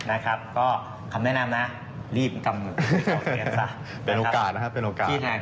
นะครับก็คำแนะนำนะรีบกำหนึ่งออกเตรียมซะ